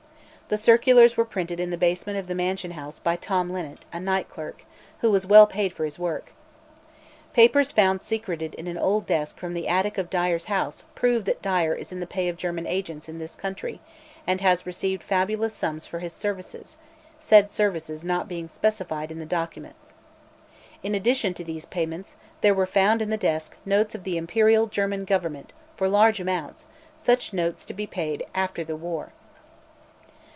The circulars were printed in the basement of the Mansion House by Tom Linnet, a night clerk, who was well paid for his work. Papers found secreted in an old desk from the attic of Dyer's house prove that Dyer is in the pay of German agents in this country and has received fabulous sums for his 'services,' said services not being specified in the documents. In addition to these payments, there were found in the desk notes of the Imperial German Government, for large amounts, such notes to be paid 'after the war.'